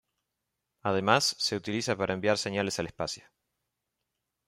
Además, se utiliza para enviar señales al espacio.